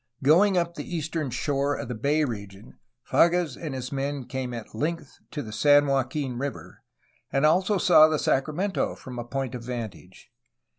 Going up the eastern shore of the bay region Fages and his men came at length to the San Joaquin River, and also saw the Sacramento from a point of vantage.